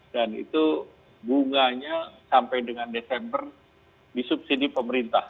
itu bunganya sampai dengan desember disubsidi pemerintah